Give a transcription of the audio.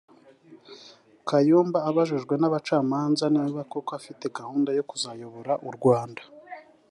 Kayumba abajijwe n’abacamanza niba koko afite gahunda yo kuzayobora u Rwanda